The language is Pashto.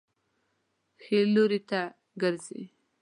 ښي لوري ته ګرځئ